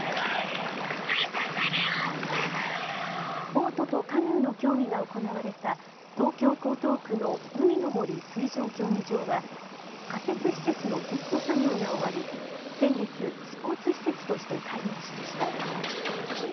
ボートとカヌーの競技が行われた東京江東区の海の森水上競技場は仮設施設の撤去作業が終わり先月、スポーツ施設として開業しました。